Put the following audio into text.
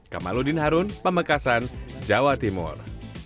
kamaludin harun pamekasan jawa timur